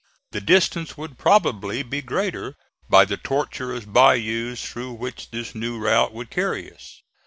The distance would probably be greater by the tortuous bayous through which this new route would carry us.